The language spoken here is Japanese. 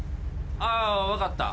あ分かった。